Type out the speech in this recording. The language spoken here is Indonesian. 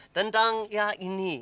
tentang ya ini